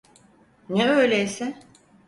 Ne öyleyse?